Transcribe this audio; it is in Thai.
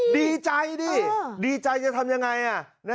ดีใจดิดีใจจะทำยังไง